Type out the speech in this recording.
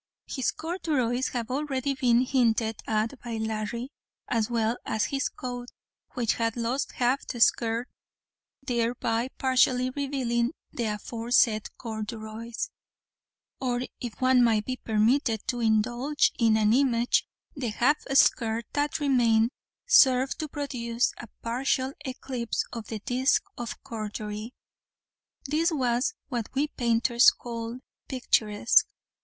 His corduroys have already been hinted at by Larry, as well as his coat, which had lost half the skirt, thereby partially revealing the aforesaid corduroys; or if one might be permitted to indulge in an image, the half skirt that remained served to produce a partial eclipse of the disc of corduroy. This was what we painters call picturesque.